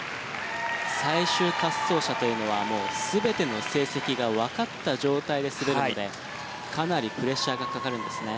最終滑走者というのは全ての成績がわかった状態で滑るのでかなりプレッシャーがかかるんですね。